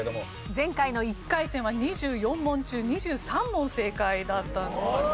前回の１回戦は２４問中２３問正解だったんですよね。